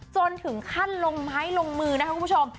จนถึงขั้นลงไม้ลงมือนะครับคุณผู้ชม